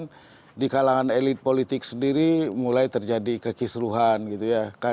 kemudian di kalangan elit politik sendiri mulai terjadi kekisruhan gitu ya